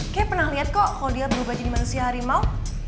kayaknya pernah lihat kok kalau dia berubah jadi manusia harimau